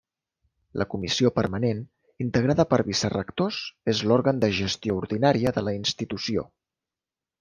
La Comissió Permanent, integrada per vicerectors, és l'òrgan de gestió ordinària de la institució.